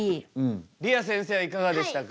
りあせんせいはいかがでしたか？